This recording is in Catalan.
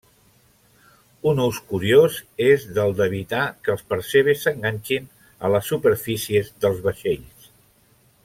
Un ús curiós és del d'evitar que els percebes s'enganxin a les superfícies dels vaixells.